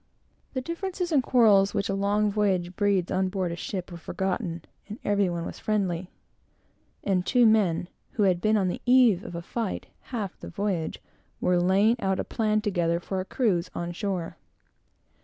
The little differences and quarrels which a long voyage breeds on board a ship, were forgotten, and every one was friendly; and two men, who had been on the eve of a battle half the voyage, were laying out a plan together for a cruise on shore.